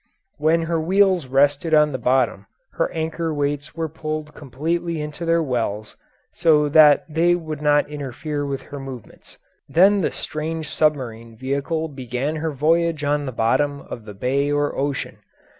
When her wheels rested on the bottom her anchor weights were pulled completely into their wells, so that they would not interfere with her movements. Then the strange submarine vehicle began her voyage on the bottom of the bay or ocean.